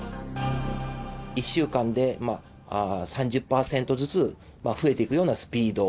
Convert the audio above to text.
１週間で３０％ずつ増えていくようなスピード。